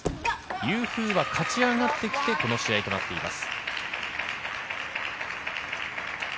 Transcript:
ユー・フーは勝ち上がってきて、この試合となっています。